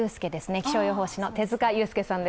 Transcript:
気象予報士の手塚悠介さんです。